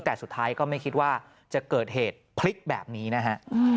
แต่สุดท้ายก็ไม่คิดว่าจะเกิดเหตุพลิกแบบนี้นะฮะ